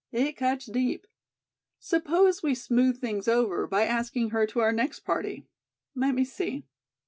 It cuts deep. Suppose we smooth things over by asking her to our next party. Let me see.